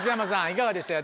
いかがでしたか？